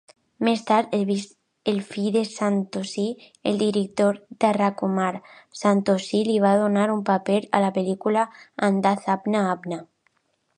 Més tard, el fill de Santoshi, el director Rajkumar Santoshi, li va donar un paper a la pel·lícula "Andaz Apna Apna".